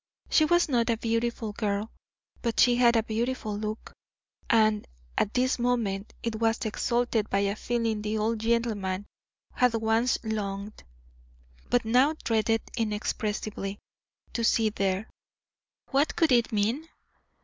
She was not a beautiful girl, but she had a beautiful look, and at this moment it was exalted by a feeling the old gentleman had once longed, but now dreaded inexpressibly, to see there. What could it mean?